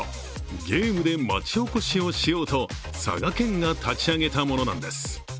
ゲームで町おこしをしようと佐賀県が立ち上げたものなんです。